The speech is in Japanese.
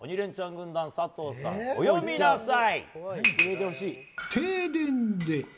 軍団佐藤さん、お詠みなさい！